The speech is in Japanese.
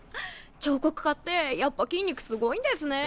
彫刻科ってやっぱ筋肉すごいんですね。